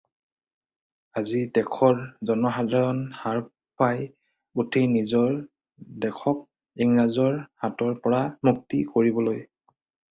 আজি দেশৰ জনসাধাৰণ সাৰ পাই উঠি নিজৰ দেশক ইংৰাজৰ হাতৰ পৰা মুক্তি কৰিবলৈ